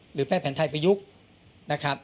หรือแพทย์แผ่นไทยประยุกต์